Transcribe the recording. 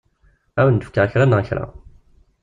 Ad awen-d-fkeɣ kra neɣ kra.